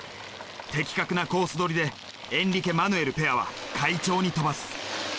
的確なコースどりでエンリケマヌエルペアは快調に飛ばす。